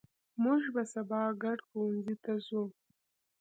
مونږ به سبا ګډ ښوونځي ته ځو